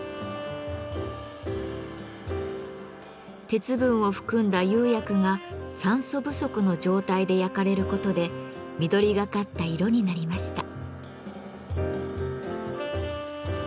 鉄分を含んだ釉薬が酸素不足の状態で焼かれることで緑がかった色になりました。